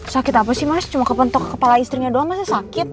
sakit apa sih mas cuma kepentok kepala istrinya doang masa sakit